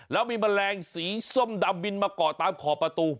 แล้วมีแมลงสีส้มดำบินมาเกาะตามขอบประตู